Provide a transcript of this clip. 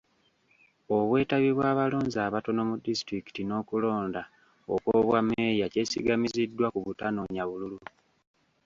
Obwetabi bw'abalonzi abatono mu disitulikiti n'okulonda okw'obwa mmeeya kyesigamiziddwa ku butanoonya bululu.